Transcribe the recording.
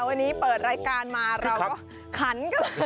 วันนี้เปิดรายการมาเราก็ขันกันเลย